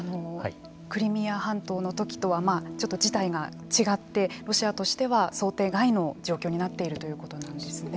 クリミア半島のときとはちょっと事態が違ってロシアとしては、想定外の状況になっているということなんですね。